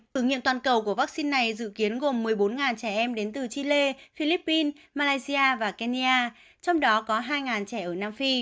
thử nghiệm toàn cầu của vaccine này dự kiến gồm một mươi bốn trẻ em đến từ chile philippines malaysia và kenya trong đó có hai trẻ ở nam phi